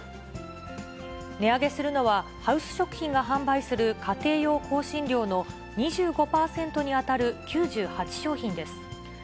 値上げするのは、ハウス食品が販売する家庭用香辛料の２５％に当たる９８商品です。